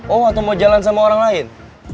oh atau mau jalan sama orang lain